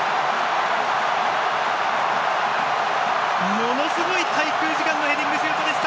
ものすごい滞空時間のヘディングシュートでした！